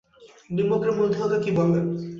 ডিম্বকের মূল দেহকে কী বলে?